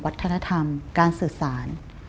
วัฒนธรรมการสื่อสาร